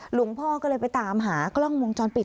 หลวงพ่อก็เลยไปตามหากล้องวงจรปิด